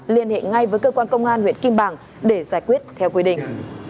liên hệ ngay với cơ quan công an huyện kim bảng để giải quyết theo quy định